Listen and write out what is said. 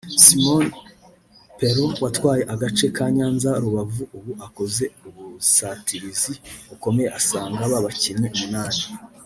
Simon Pelaud watwaye agace ka Nyanza-Rubavu ubu akoze ubusatirizi bukomeye asanga ba bakinnyi umunani